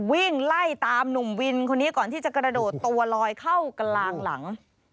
วิ่งไล่ตามหนุ่มวินคนนี้ก่อนที่จะกระโดดตัวลอยเข้ากลางหลัง